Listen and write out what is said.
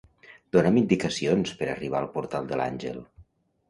Dona'm indicacions per arribar al Portal de l'Àngel.